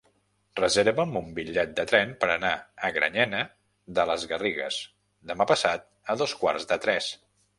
Reserva'm un bitllet de tren per anar a Granyena de les Garrigues demà passat a dos quarts de tres.